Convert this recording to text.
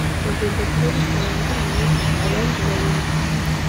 rugomba kuba rutabangamiye abandi bayobozi.